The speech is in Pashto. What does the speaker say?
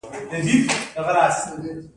آیا د شریف پوهنتون ډیر مشهور نه دی؟